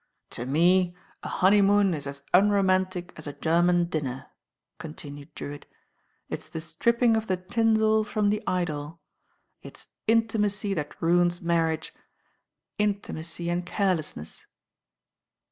"To me a honeymoon is as unromantic as a German dinner," continued Drewitt. "It's the stripping of the tinsel from the idol. It is intimacy that ruins marriage, intimacy and carelessness."